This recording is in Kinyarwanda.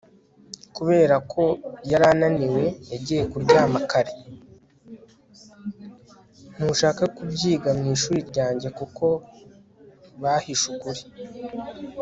ntushaka kubyiga mwishuri ryanjye kuko bahishe ukuri